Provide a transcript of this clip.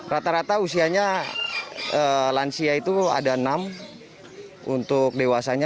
rata rata usianya lansia itu ada enam untuk dewasanya